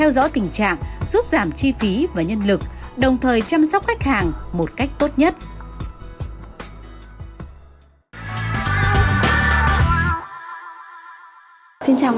công ty dược sẽ dễ dàng trong việc quản lý đơn đặt hàng